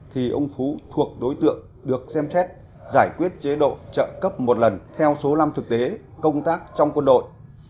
thì ông phú thuộc đối tượng được xem xét giải quyết chế độ trợ cấp một lần theo số năm thực tế công tác trong quân đội